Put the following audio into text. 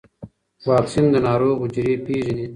واکسین د ناروغ حجرې پېژني.